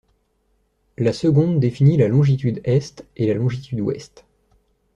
La seconde définit la longitude Est et la longitude Ouest.